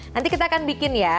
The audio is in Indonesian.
nanti kita lan con bikin ya